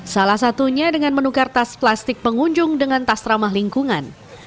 salah satunya dengan menukar tas plastik pengunjung dengan tas ramah lingkungan